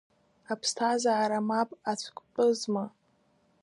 Аԥсҭазаара мап ацәктәызма?